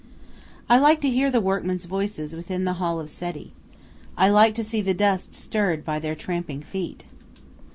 I like to hear the workmen's voices within the hall of Seti. I like to see the dust stirred by their tramping feet.